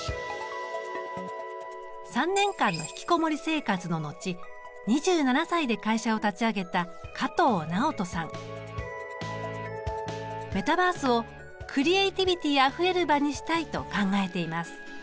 ３年間の引きこもり生活の後２７歳で会社を立ち上げたメタバースをクリエイティビティあふれる場にしたいと考えています。